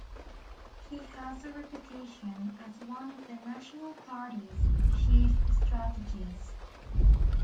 He has a reputation as one of the National Party's chief strategists.